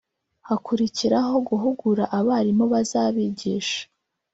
hakurikiraho guhugura abarimu bazabigisha